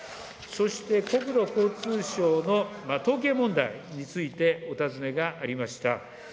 そして、国土交通省の統計問題についてお尋ねがありました。